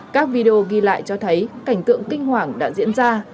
các video ghi lại cho thấy cảnh tượng kinh hoàng đã diễn ra